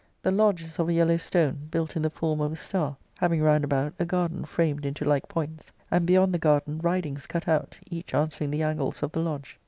The lodge is of a yellow stone, built in the form of a star, having round about a garden framed into like points ; and beyond the garden ridings cut out, each answering the angles of the lodge.